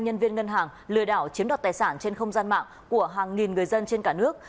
nhân viên ngân hàng lừa đảo chiếm đoạt tài sản trên không gian mạng của hàng nghìn người dân trên cả nước